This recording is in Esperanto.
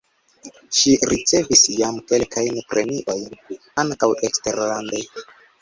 Ŝi ricevis jam kelkajn premiojn (ankaŭ eksterlande).